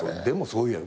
でも。